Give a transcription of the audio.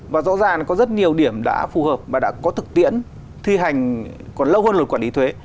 và rõ ràng có rất nhiều điểm đã phù hợp và đã có thực tiễn thi hành còn lâu hơn luật quản lý thuế